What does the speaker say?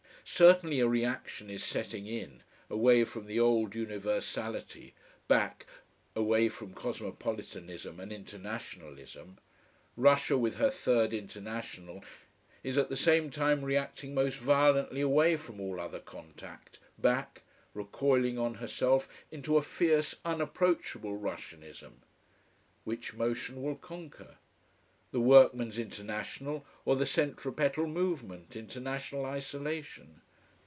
Certainly a reaction is setting in, away from the old universality, back, away from cosmopolitanism and internationalism. Russia, with her Third International, is at the same time reacting most violently away from all other contact, back, recoiling on herself, into a fierce, unapproachable Russianism. Which motion will conquer? The workman's International, or the centripetal movement into national isolation?